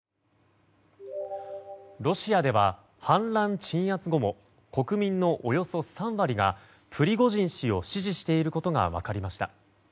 ロシアでは反乱鎮圧後も国民のおよそ３割がプリゴジン氏を支持していることが分かりました。